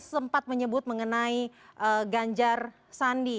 sempat menyebut mengenai ganjar sandi